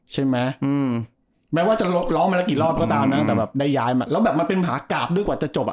ใช่ไหมแม้ว่าจะร้องมันละกี่รอบก็ตามนะแต่มันเป็นหากากด้วยกว่าจะจบอะ